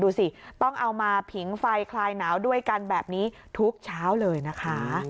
ดูสิต้องเอามาผิงไฟคลายหนาวด้วยกันแบบนี้ทุกเช้าเลยนะคะ